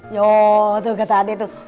yod tuh kata ade tuh